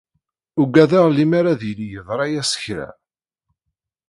Ugadeɣ lemmer ad yili yeḍra-as kra.